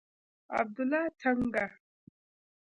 عبدالله څنگه.